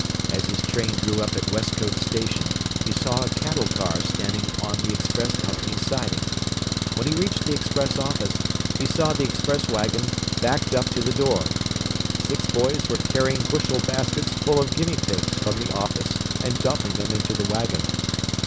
As his train drew up at Westcote station he saw a cattle car standing on the express company's siding. When he reached the express office he saw the express wagon backed up to the door. Six boys were carrying bushel baskets full of guinea pigs from the office and dumping them into the wagon.